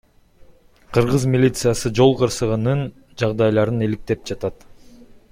Кыргыз милициясы жол кырсыгынын жагдайларын иликтеп жатат.